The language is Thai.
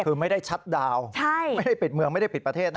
คือไม่ได้ชัดดาวน์ไม่ได้ปิดเมืองไม่ได้ปิดประเทศนะ